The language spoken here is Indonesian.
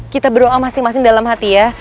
kita berdoa masing masing dalam hati ya